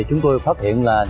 chúng tôi phát hiện là